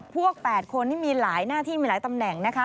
พวก๘คนนี่มีหลายหน้าที่มีหลายตำแหน่งนะคะ